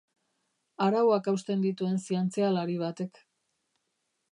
Arauak hausten dituen zientzialari batek.